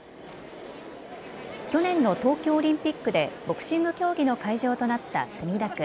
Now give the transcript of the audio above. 去年の東京オリンピックでボクシング競技の会場となった墨田区。